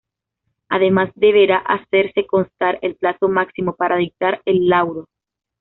Además deberá hacerse constar el plazo máximo para dictar el laudo.